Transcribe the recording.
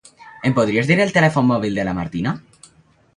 Em podries dir el telèfon mòbil de la Martina?